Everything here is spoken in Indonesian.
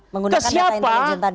menggunakan data intelijen tadi